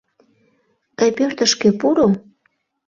— Тый пӧртышкӧ пуро.